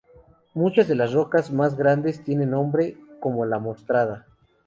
Muchas de las rocas más grandes tienen nombre, como la mostrada.